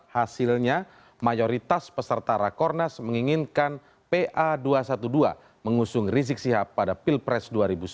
hasilnya mayoritas peserta rakornas menginginkan pa dua ratus dua belas mengusung rizik sihab pada pilpres dua ribu sembilan belas